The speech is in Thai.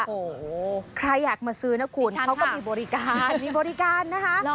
โอ้โหใครอยากมาซื้อนะคุณเขาก็มีบริการมีบริการนะคะ